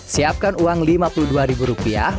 siapkan uang lima puluh dua ribu rupiah